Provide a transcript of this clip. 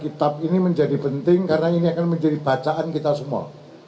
kitab ini menjadi penting karena ini akan menjadi bacaan kita semua